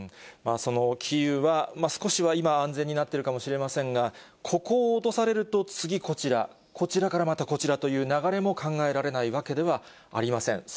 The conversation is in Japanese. そのキーウは、少しは今、安全になってるかもしれませんが、ここを落とされると、次、こちら、こちらからまたこちらという流れも考えられないわけではありません。